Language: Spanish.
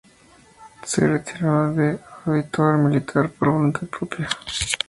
Se retiró de Auditor Militar por voluntad propia.